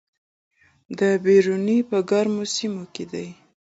د بیر ونې په ګرمو سیمو کې دي؟